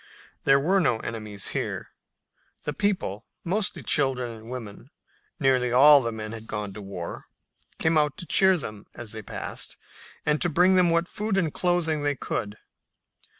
There were no enemies here. The people, mostly women and children nearly all the men had gone to war came out to cheer them as they passed, and to bring them what food and clothing they could.